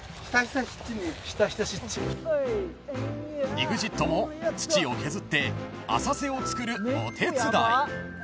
［ＥＸＩＴも土を削って浅瀬をつくるお手伝い］